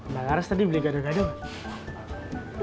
mbak laras tadi beli gado gado gak